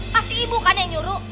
pasti ibu kan yang nyuruh